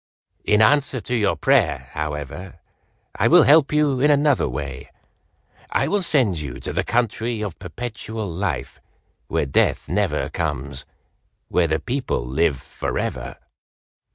"In answer to your prayer, however, I will help you in another way. I will send you to the country of Perpetual Life, where death never comes—where the people live forever!"